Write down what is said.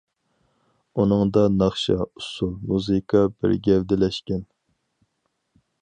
ئۇنىڭدا ناخشا، ئۇسسۇل، مۇزىكا بىر گەۋدىلەشكەن.